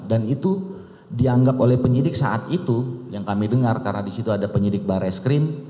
dan itu dianggap oleh penyidik saat itu yang kami dengar karena disitu ada penyidik barreskrim